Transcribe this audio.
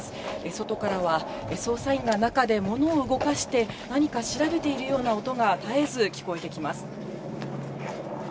外からは捜査員が中でものを動かして、何か調べているような音が、絶えず聞こえてきます。